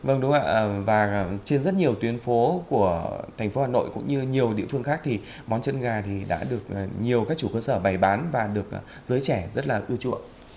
vâng đúng không ạ và trên rất nhiều tuyến phố của thành phố hà nội cũng như nhiều địa phương khác thì món chân gà thì đã được nhiều các chủ cơ sở bày bán và được giới trẻ rất là ưa chuộng